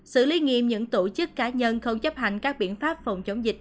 xử lý nghiêm những tổ chức cá nhân không chấp hành các biện pháp phòng chống dịch